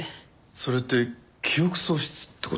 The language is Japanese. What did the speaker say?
それって記憶喪失って事？